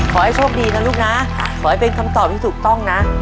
ขอให้โชคดีนะลูกนะขอให้เป็นคำตอบที่ถูกต้องนะ